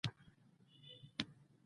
سپک خلک دا خپل سپکاوی غواړي